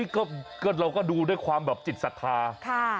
ก็เราก็ดูด้วยความแบบจิตศรัทธา